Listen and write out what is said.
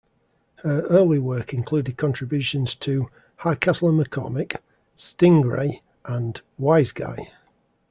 Her early work included contributions to "Hardcastle and McCormick", "Stingray" and "Wiseguy".